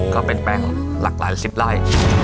ก็เป็นแป้งหลากหลายสิบไร่